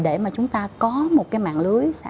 để mà chúng ta có một mạng lưới